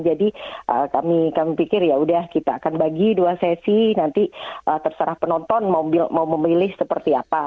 jadi kami pikir yaudah kita akan bagi dua sesi nanti terserah penonton mau memilih seperti apa